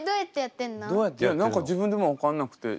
いや何か自分でも分かんなくて。